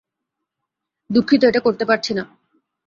দুঃখিত, এটা করতে পারছি না।